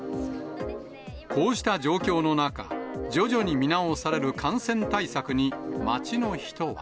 こうした状況の中、徐々に見直される感染対策に街の人は。